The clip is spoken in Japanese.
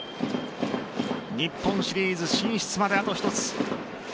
日本シリーズ進出まであと一つ。